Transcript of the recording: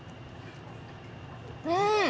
うん！